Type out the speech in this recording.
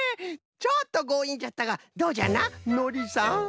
ちょっとごういんじゃったがどうじゃなのりさん？